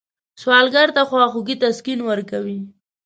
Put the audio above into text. سوالګر ته خواخوږي تسکین ورکوي